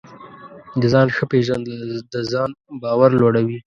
د ځان ښه پېژندل د ځان باور لوړوي.